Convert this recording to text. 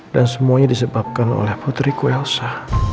dan semuanya disebabkan oleh putriku elsa